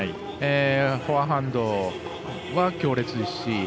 フォアハンドは強烈ですし